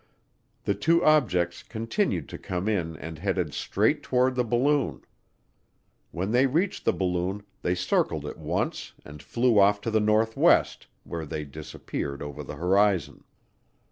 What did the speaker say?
The two objects continued to come in and headed straight toward the balloon. When they reached the balloon they circled it once and flew off to the northwest, where they disappeared over the horizon.